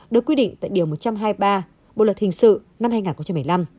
được quy định tại điều một trăm hai mươi ba bộ luật hình sự năm hai nghìn một mươi năm